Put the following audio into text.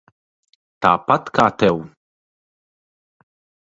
Tāpat kā tev.